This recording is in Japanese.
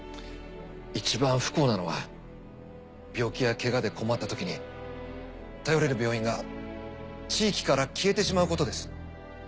いちばん不幸なのは病気やケガで困ったときに頼れる病院が地域から消えてしまうことです。